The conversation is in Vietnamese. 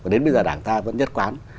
đến bây giờ đảng ta vẫn nhất quán